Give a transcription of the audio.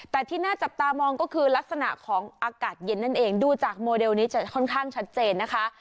แต่ที่น่าจับตามองก็คือลักษณะของอากาศเย็นนั่นเองดูจากโมเดลนี้จะค่อนข้างชัดเจนนะคะ